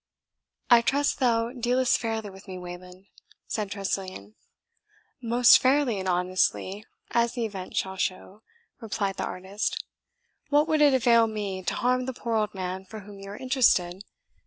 "I trust thou dealest fairly with me, Wayland?" said Tressilian. "Most fairly and honestly, as the event shall show," replied the artist. "What would it avail me to harm the poor old man for whom you are interested?